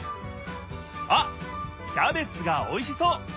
あっキャベツがおいしそう！